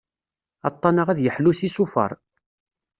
Aṭṭan-a ad yeḥlu s isufar.